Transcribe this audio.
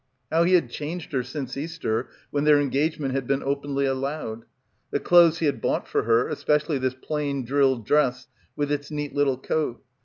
How he had changed her since Easter when their engagement had been openly allowed. The clothes he had bought for her, especially this plain drill dress with its neat little coat.